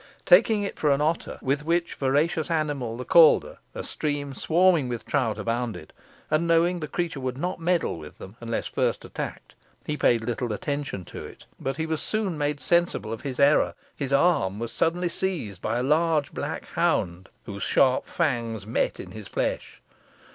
Taking it for an otter, with which voracious animal the Calder, a stream swarming with trout, abounded, and knowing the creature would not meddle with them unless first attacked, he paid little attention to it; but he was soon made sensible of his error. His arm was suddenly seized by a large black hound, whose sharp fangs met in his flesh.